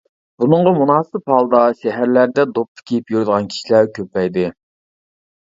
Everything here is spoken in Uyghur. بۇنىڭغا مۇناسىپ ھالدا شەھەرلەردە دوپپا كىيىپ يۈرىدىغان كىشىلەر كۆپەيدى.